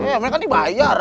ya mereka dibayar